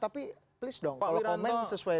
tapi please dong kalau pemain sesuai